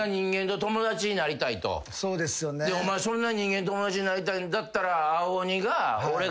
お前そんな人間友達になりたいんだったら。